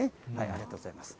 ありがとうございます。